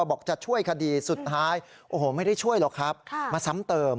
บอกจะช่วยคดีสุดท้ายโอ้โหไม่ได้ช่วยหรอกครับมาซ้ำเติม